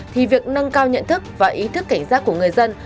thì việc nâng cao nhận thức và ý thức cảnh giác của người dân